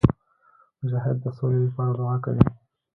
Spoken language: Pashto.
مجاهد د سولي لپاره دعا کوي.